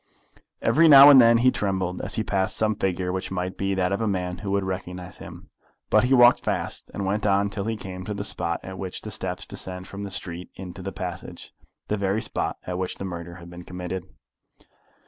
Every now and then he trembled as he passed some figure which might be that of a man who would recognise him. But he walked fast, and went on till he came to the spot at which the steps descend from the street into the passage, the very spot at which the murder had been committed.